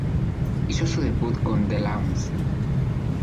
Hizo su debut con "The In-Laws".